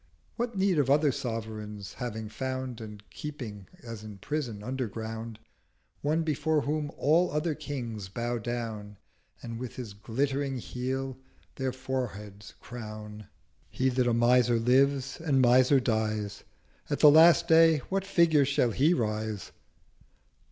What need of other Sovereign, having found, And keeping as in Prison underground, One before whom all other Kings bow down, And with his glittering Heel their Foreheads crown?' 'He that a Miser lives and Miser dies, At the Last Day what Figure shall he rise?'